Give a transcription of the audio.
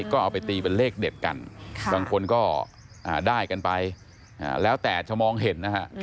ก็เอาไปตีเป็นเลขเด็ดกันบางคนก็ได้กันไปแล้วแต่จะมองเห็นนะฮะ